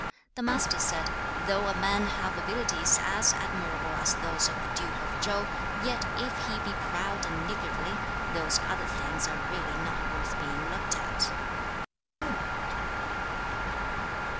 The Master said, 'Though a man have abilities as admirable as those of the Duke of Chau, yet if he be proud and niggardly, those other things are really not worth being looked at.'